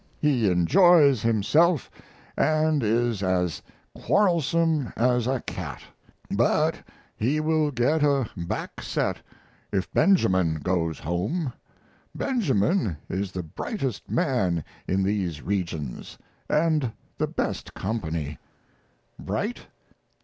He enjoys himself & is as quarrelsome as a cat. But he will get a backset if Benjamin goes home. Benjamin is the brightest man in these regions, & the best company. Bright?